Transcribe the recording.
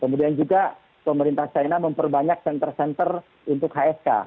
kemudian juga pemerintah china memperbanyak center center untuk hsk